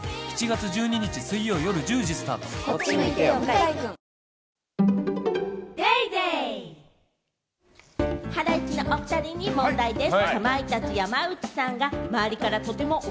ニトリハライチのお２人に問題です。